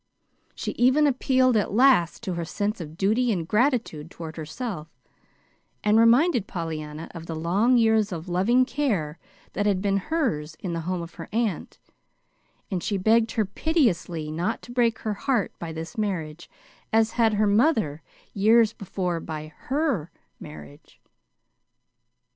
She even appealed at last to her sense of duty and gratitude toward herself, and reminded Pollyanna of the long years of loving care that had been hers in the home of her aunt, and she begged her piteously not to break her heart by this marriage as had her mother years before by HER marriage.